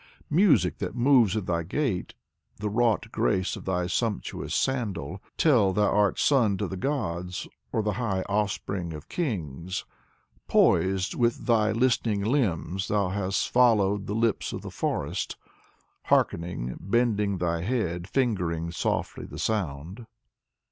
Music that moves in thy gait, the wrought grace of thy sumptuous sandal Tell thou art son to the gods, or the high offspring of kings. Poised, with thy listening limbs, thou hast followed the lips of the forest, Harkening, bending thy head, fingering softly the sound.